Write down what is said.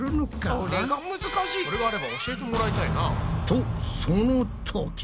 それがあれば教えてもらいたいな。